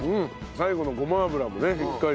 最後のごま油もねしっかり。